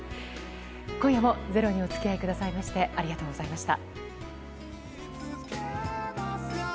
今夜も「ｚｅｒｏ」にお付き合いくださいましてありがとうございました。